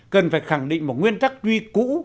cần phải khẳng định một nguyên tắc duy cũ